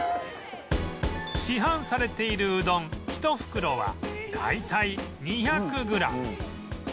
市販されているうどん１袋は大体２００グラム